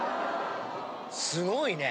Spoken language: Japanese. すごいね。